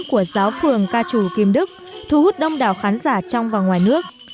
của giáo phường ca trù kim đức thu hút đông đảo khán giả trong và ngoài nước